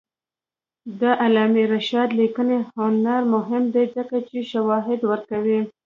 د علامه رشاد لیکنی هنر مهم دی ځکه چې شواهد ورکوي.